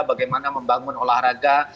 bagaimana membangun olahraga